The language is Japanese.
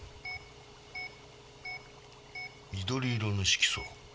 緑色の色素。